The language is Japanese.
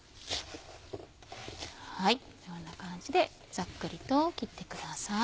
こんな感じでざっくりと切ってください。